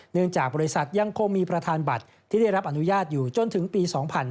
เนื่องจากบริษัทยังคงมีประธานบัตรที่ได้รับอนุญาตอยู่จนถึงปี๒๕๕๙